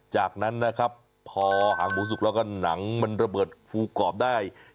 จากนั้นนะครับพอหางหมูสุกแล้วก็หนังมันระเบิดฟูกรอบได้